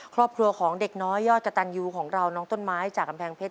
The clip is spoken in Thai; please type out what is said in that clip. ครอบครัวของเด็กน้อยยอดกระตันยูของเราน้องต้นไม้จากกำแพงเพชร